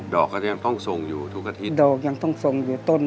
ดอกก็ถ้ายังต้องทรงอยู่ทุกอาทิตย์